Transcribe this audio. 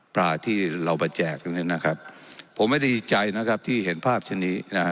ปลาที่เรามาแจกนะครับผมไม่ดีใจนะครับที่เห็นภาพชนี้นะฮะ